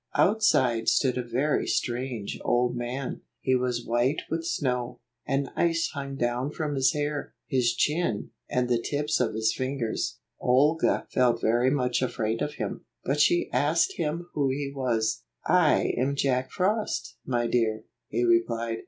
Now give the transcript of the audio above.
Outside stood a very strange old man. He was white with snow; and ice hung down from his hair, his chin, and the tips of his fingers. Olga felt very much afraid of him, but she asked him who he was. "I am Jack Frost, my dear," he replied.